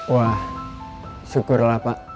wah syukurlah pak